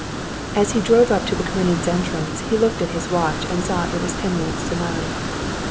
As he drove up to the Karenins' entrance he looked at his watch and saw it was ten minutes to nine.